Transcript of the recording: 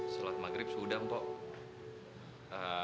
salat maghrib sudah mbok